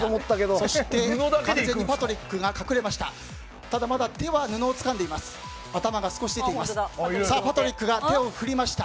そして完全にパトリックが隠れました。